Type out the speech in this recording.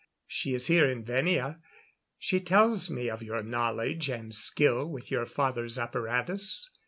She is here in Venia; she tells me of your knowledge and skill with your father's apparatus.